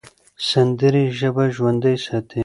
سندرې ژبه ژوندۍ ساتي.